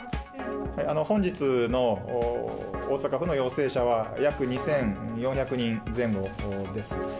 本日の大阪府の陽性者は約２４００人前後です。